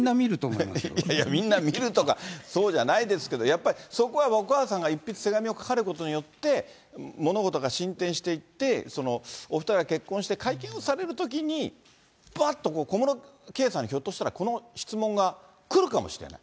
いや、みんな見るとか、そうじゃないですけど、やっぱりそこはお母さんが一筆手紙を書かれることによって、物事が進展していって、お２人が結婚して会見をされるときに、ばっとこう、小室圭さんにひょっとしたら、この質問がくるかもしれない。